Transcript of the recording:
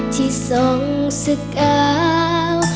ที่ส่องสกาว